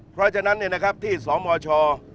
เพราะฉะนั้นที่สมช